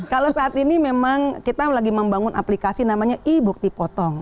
kalau saat ini memang kita lagi membangun aplikasi namanya i bukti potong